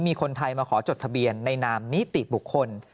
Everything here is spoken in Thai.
มีคนไทยมาขอจดทะเบียนในนามนิติบุคคล